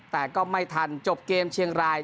แต่ก็ไม่ทันจบเกมเชียงราย